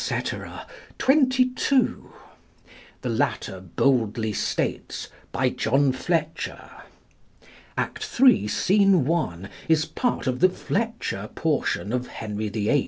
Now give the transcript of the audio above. _, twenty two; the latter boldly states, "By John Fletcher." Act iii., Scene 1 is part of the Fletcher portion of Henry VIII.